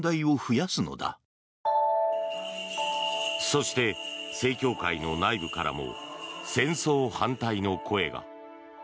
そして、正教会の内部からも戦争反対の声が。